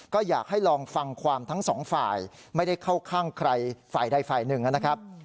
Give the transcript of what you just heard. ก็อยากให้ลองฟังความทั้งสองฝ่ายไม่ได้เข้าข้างใครฝ่ายใดฝ่ายหนึ่งนะครับ